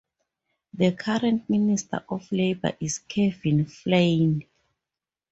The current Minister of Labour is Kevin Flynn.